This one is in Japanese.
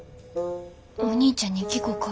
お兄ちゃんに聞こか。